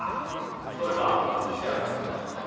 どれか自信あるやつがあれば。